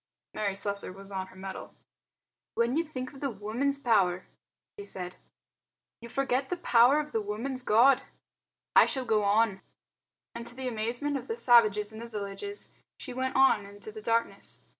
Mary Slessor was on her mettle. "When you think of the woman's power," she said to the chief, "you forget the power of the woman's God. I shall go on." And to the amazement of the savages in the villages she went on into the darkness.